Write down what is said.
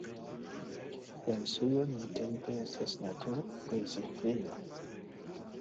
La insulo nuntempe estas naturrezervejo.